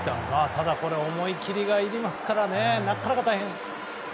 ただ思い切りがいるのでなかなか大変。